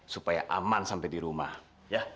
supaya aman sampai di rumah ya